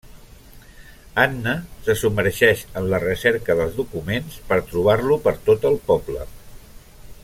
Anna se submergeix en la recerca dels documents per trobar-lo per tot el poble.